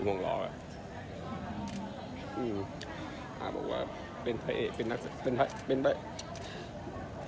ห่วงหล่ออืมอ่าบอกว่าเป็นพระเอกเป็นนักเป็นเป็นเป็น